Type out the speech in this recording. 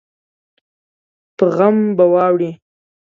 په غم به واوړې